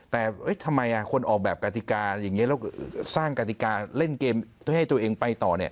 แต่ทำไมคนออกแบบกติกาอย่างนี้แล้วสร้างกติกาเล่นเกมเพื่อให้ตัวเองไปต่อ